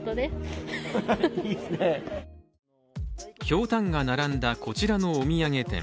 ひょうたんが並んだ、こちらのお土産店。